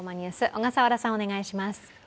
小笠原さん、お願いします。